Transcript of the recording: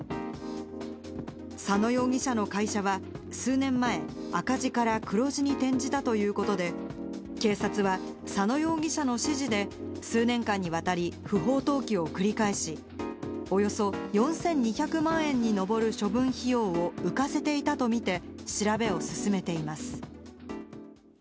佐野容疑者の会社は、数年前、赤字から黒字に転じたということで、警察は佐野容疑者の指示で数年間にわたり、不法投棄を繰り返し、およそ４２００万円に上る処分費用を浮かせていたと見て、調べを進めています。